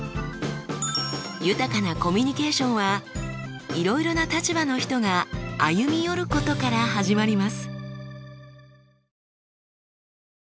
豊かなコミュニケーションはいろいろな立場の人が歩み寄ることから始まります。